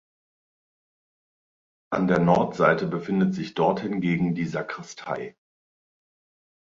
An der Nordseite befindet sich dort hingegen die Sakristei.